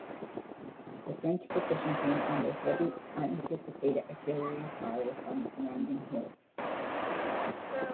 The French position came under heavy, unanticipated artillery fire from the surrounding hills.